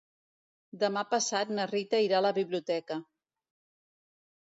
Demà passat na Rita irà a la biblioteca.